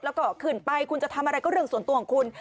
แล้วก็ขึ้นไปคุณจะทำอะไรก็เรื่องส่วนตัวของคุณ